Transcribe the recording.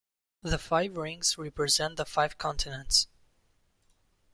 The five rings represent the five continents.